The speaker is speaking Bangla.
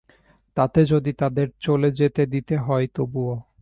তাতে যদি তাদের চলে যেতে দিতে হয় তবুও।